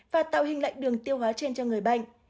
và tạo hình lạnh đường tiêu hóa trên cho người bệnh